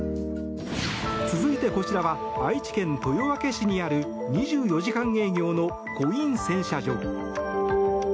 続いて、こちらは愛知県豊明市にある２４時間営業のコイン洗車場。